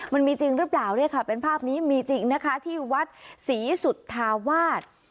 มันมีจริงหรือเปล่าเป็นภาพนี้มีจริงที่วัดศรีสุธาวาส